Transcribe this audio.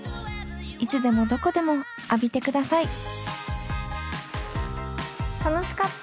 いつでもどこでも浴びてください楽しかった。